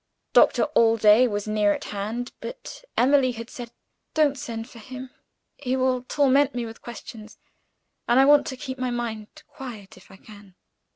Doctor Allday was near at hand but Emily had said, "Don't send for him; he will torment me with questions and I want to keep my mind quiet, if I can."